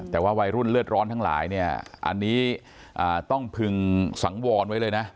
แต่ว่าวัยรุ่นเลือดร้อนทั้งหลายเนี่ยอันนี้ต้องพึงสังวรไว้เลยนะ